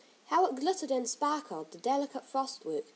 How it glittered and sparkled, the delicate frostwork.